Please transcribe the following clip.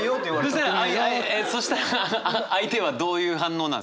そしたら相手はどういう反応なんですか？